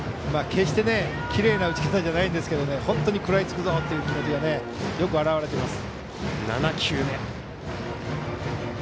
決してきれいな打ち方ではないんですが本当に食らいつくぞ！という気持ちがよく表れています。